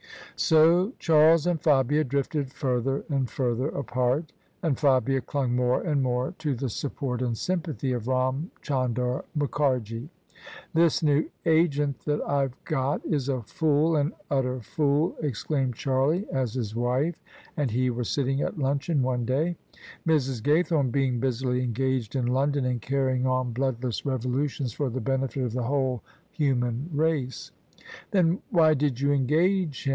' So Charles and Fabia drifted further and further apart: and Fabia clung more and more to the support and sympathy of Ram Chandar Mukharji. " This new agent that IVe got is a fool — ^an utter fool 1 " exclaimed Charlie, as his wife and he were sitting at luncheon one day, Mrs. Gaythome being busily engaged in London in carrying on bloodless revolutions for the benefit of the whole human race. "Then why did you engage him?